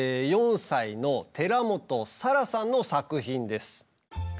４歳の寺本咲良さんの作品です。